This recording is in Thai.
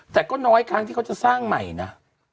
แต่ก็น้อยการต้องสร้างใหม่น่ะ